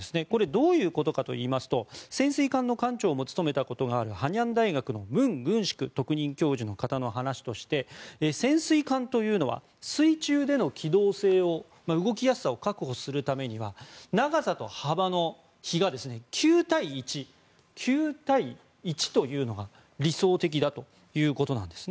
どういうことかといいますと潜水艦の艦長も務めたことのあるハニャン大学のムン・グンシク特任教授の話として潜水艦というのは水中での機動性動きやすさを確保するためには長さと幅の比が９対１というのが理想的だということです。